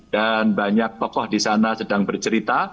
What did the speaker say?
dan banyak tokoh di sana sedang bercerita